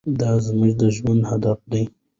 دا زموږ د ژوند هدف دی.